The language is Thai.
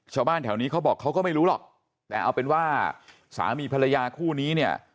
ชาวบ้านแถวนี้เขาบอกเขาก็ไม่รู้หรอกแต่เอาเป็นว่าสามีภรรยาคู่นี้เนี่ย